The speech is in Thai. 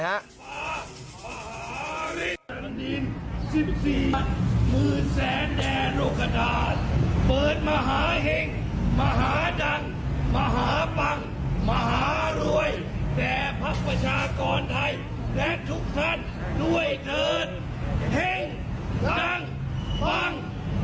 สาธุโรงสาธุโรง